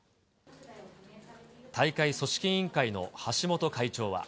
大会組織委員会の橋本会長は。